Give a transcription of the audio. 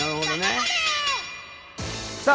さあ！